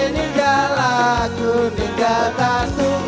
ninggal aku ninggal taktu